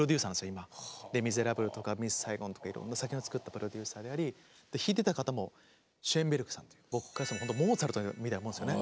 今「レ・ミゼラブル」とか「ミス・サイゴン」とかいろんな作品を作ったプロデューサーであり弾いてた方もシェーンベルクさんという僕からしてもほんとモーツァルトみたいなもんですよね。